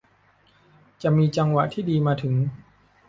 จะมีจังหวะที่ดีมาถึง